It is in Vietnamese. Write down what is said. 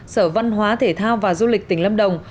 sở văn hóa thể thao và du lịch tỉnh lâm đồng